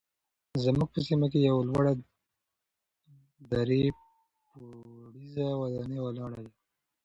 زموږ په سیمه کې یوه لوړه درې پوړیزه ودانۍ ولاړه ده.